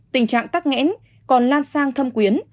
tình trạng tắc nghẽn còn lan sang thâm quyến